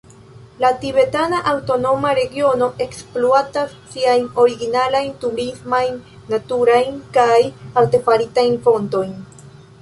La Tibeta Aŭtonoma Regiono ekspluatas siajn originalajn turismajn naturajn kaj artefaritajn fontojn.